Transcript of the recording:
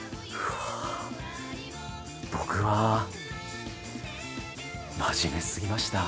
僕は真面目すぎました。